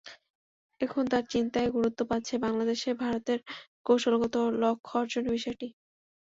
এখন তাঁর চিন্তায় গুরুত্ব পাচ্ছে বাংলাদেশে ভারতের কৌশলগত লক্ষ্য অর্জনের বিষয়টি।